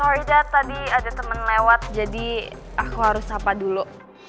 sorry dad tadi ada temen lewat jadi aku harus sapa dulu